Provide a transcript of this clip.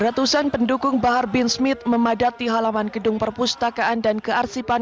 ratusan pendukung bahar bin smith memadati halaman gedung perpustakaan dan kearsipan